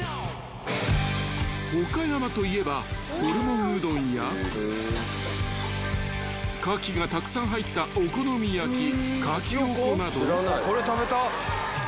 ［岡山といえばホルモンうどんやカキがたくさん入ったお好み焼きカキオコなど］